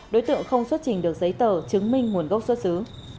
đối tượng không xuất trình được giấy tờ chứng minh nguồn gốc xuất xứ